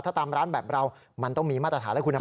ถ้าตามร้านแบบเรามันต้องมีมาตรฐานและคุณ